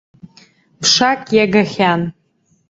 Ԥшак иагахьан.